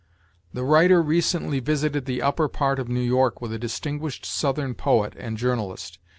The writer recently visited the upper part of New York with a distinguished Southern poet and journalist.